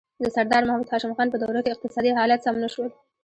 د سردار محمد هاشم خان په دوره کې اقتصادي حالات سم نه شول.